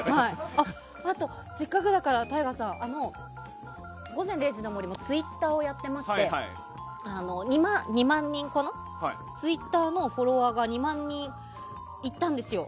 あと、せっかくだから「午前０時の森」もツイッターやっていましてツイッターのフォロワーが２万人いったんですよ。